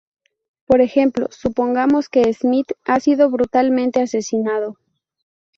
Por ejemplo, supongamos que Smith ha sido brutalmente asesinado.